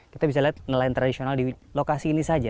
kita bisa lihat nelayan tradisional di lokasi ini saja